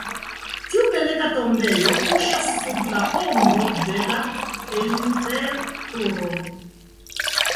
Tiu belega tombejo kuŝas sub la ombro de la Eiffel-Turo.